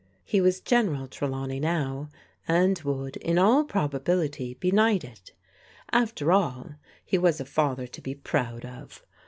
He was General Trelawney now, and would, in all prob ability, be knighted. After all, he was a father to be proud of.